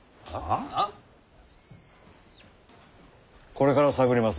これから探りまする。